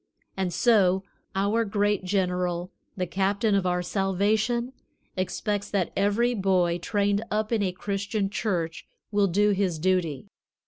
And so our great General, the Captain of our salvation, expects that every boy trained up in a Christian church will do his duty.